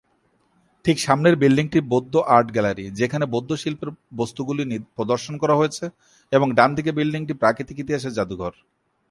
ঠিক সামনের বিল্ডিংটি বৌদ্ধ আর্ট গ্যালারি যেখানে বৌদ্ধ শিল্পের বস্তুগুলি প্রদর্শন করা হয়েছে এবং ডানদিকে বিল্ডিংটি প্রাকৃতিক ইতিহাসের যাদুঘর।